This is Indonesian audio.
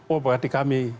oh berarti kami